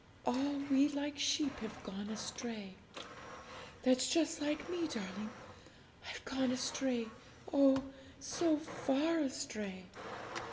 "All we like sheep have gone astray;" that's just like me, darling I've gone astray, oh, so far astray!